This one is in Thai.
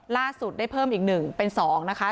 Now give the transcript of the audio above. ล่าสุดได้เพิ่มอีกหนึ่งเป็นสองนะคะ